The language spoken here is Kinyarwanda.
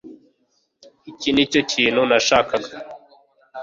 Iki nicyo kintu nashakaga